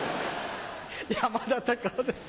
山田隆夫です。